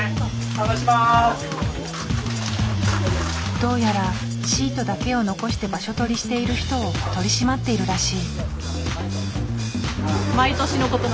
どうやらシートだけを残して場所取りしてる人を取り締まっているらしい。